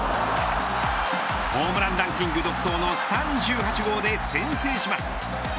ホームランランキング独走の３８号で先制します。